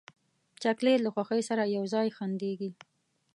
چاکلېټ له خوښۍ سره یو ځای خندېږي.